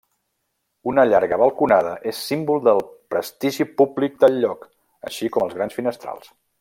Una llarga balconada és símbol del prestigi públic del lloc, així com els grans finestrals.